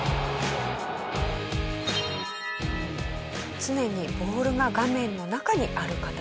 常にボールが画面の中にある形ですね。